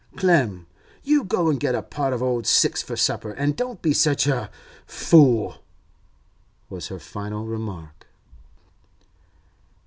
'Clem, you go and get a pot of old six for supper, and don't be such a —— fool,' was her final remark.